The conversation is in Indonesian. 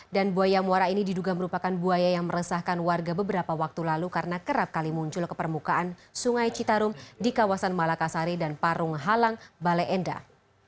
dan buaya muara ini diduga merupakan buaya yang meresahkan warga beberapa waktu lalu karena kerap kali muncul ke permukaan sungai citarum di kawasan malakasari dan parung halang bale endah